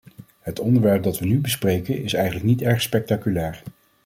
Het onderwerp dat we nu bespreken is eigenlijk niet erg spectaculair.